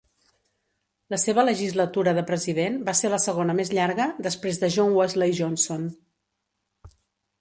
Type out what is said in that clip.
La seva legislatura de president va ser la segona més llarga, després de John Wesley Johnson.